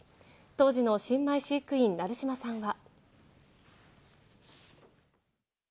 当時の新米飼育員・成島さんは。